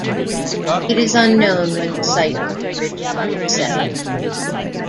It is unknown when the site was originally settled.